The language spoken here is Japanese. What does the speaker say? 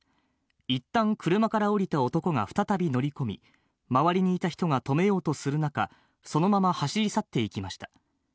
いったん車から降りた男が再び乗り込み、周りにいた人が止めようとする中、そのまま走り去っていきました。